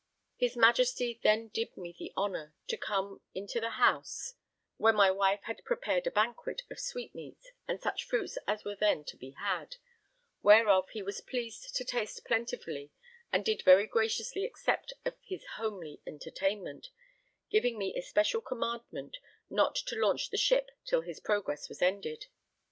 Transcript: His Majesty then did me the honour to come into the house, where my wife had prepared a banquet of sweetmeats and such fruits as were then to be had, whereof he was pleased to taste plentifully and did very graciously accept of his homely entertainment, giving me especial commandment not to launch the ship till his progress was ended.